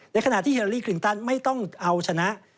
ในขณะที่เฮลลี่คลินตันไม่ต้องเอาชนะ